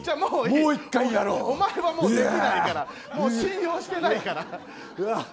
お前はもうできないからもう信用してないから。